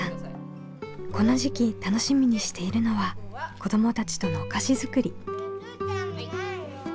この時期楽しみにしているのは子どもたちとのお菓子作り。